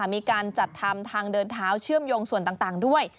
มีการจัดทำทางเดินเท้าเชื่อมโยงส่วนต่างด้วย